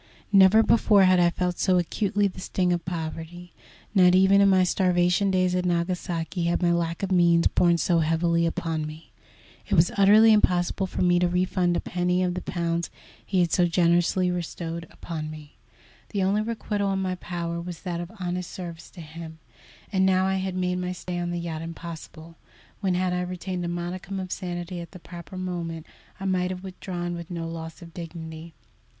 Never before had I felt so acutely the sting of poverty. Not even in my starvation days at Nagasaki had my lack of means borne so heavily upon me. It was utterly impossible for me to refund a penny of the pounds he had so generously bestowed upon me. The only requital in my power was that of honest service to him, and now I had made my stay on the yacht impossible, when, had I retained a modicum of sanity at the proper moment, I might have withdrawn with no loss of dignity.